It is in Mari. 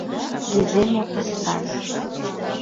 Ги-де-Мопассан...